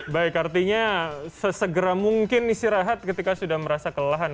baik artinya sesegera mungkin istirahat ketika sudah merasa kelelahan